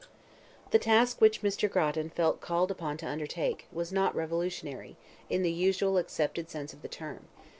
The task which Mr. Grattan felt called upon to undertake, was not revolutionary, in the usually accepted sense of the term.